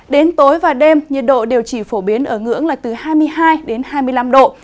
đến tối và đêm nhiệt độ đều chỉ phổ biến ở ngưỡng là từ hai mươi hai đến hai mươi năm độ